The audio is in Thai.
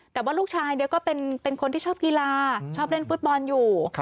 แต่ว่าลูกชายก็เป็นคนที่ชอบกีฬาชอบเล่นฟุตบอลอยู่